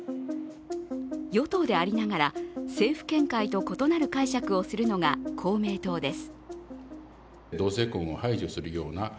与党でありながら、政府見解と異なる解釈をするのが公明党です。